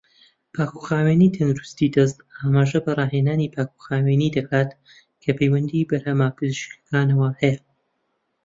پاکوخاوێنی تەندروستی دەست ئاماژە بە ڕاهێنانی پاکوخاوێنی دەکات کە پەیوەندی بەرهەمە پزیشکیەکانەوە هەیە.